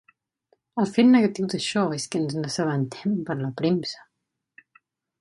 El fet negatiu d’això és que ens n’assabentem per la premsa.